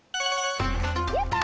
やった！